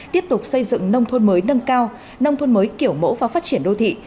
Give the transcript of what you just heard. tiếp tục xây dựng nông thôn mới nâng cao nông thôn mới kiểu mẫu và phát triển đô thị